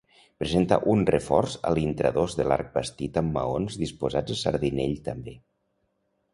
Presenta un reforç a l'intradós de l'arc bastit amb maons disposats a sardinell també.